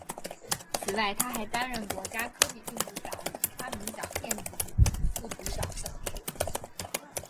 此外他还担任国家科技进步奖与发明奖电子组副组长等职。